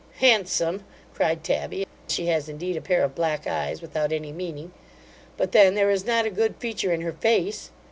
'Handsome! (cried Tabby) she has indeed a pair of black eyes without any meaning; but then there is not a good feature in her face.